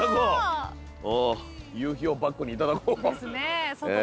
夕日をバックにいただこう。